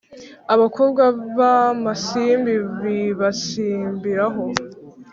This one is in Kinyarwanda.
Abakobwa b'amasimbi bibasimbiraho